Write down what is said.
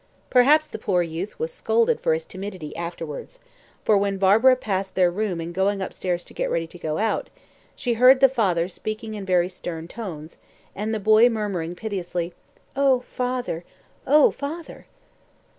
Perhaps the poor youth was scolded for his timidity afterwards, for when Barbara passed their room in going upstairs to get ready to go out, she heard the father speaking in very stern tones, and the boy murmuring piteously, "Oh, father! oh, father!"